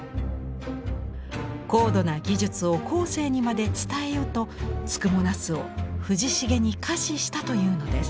高度な技術を後世にまで伝えよと「付藻茄子」を藤重に下賜したというのです。